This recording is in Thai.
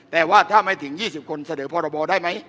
แต่ว่าถ้าไม่ถึง๒๐คนเสดียกฎหมายได้ไหม